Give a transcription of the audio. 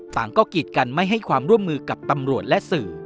ต่างก็กีดกันไม่ให้ความร่วมมือกับตำรวจและสื่อ